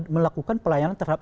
melakukan pelayanan terhadap